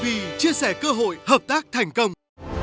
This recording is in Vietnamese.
hãy chia sẻ cơ hội hợp tác thành công